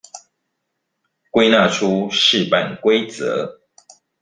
歸納出試辦規則